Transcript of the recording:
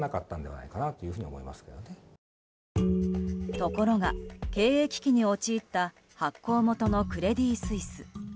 ところが経営危機に陥った発行元のクレディ・スイス。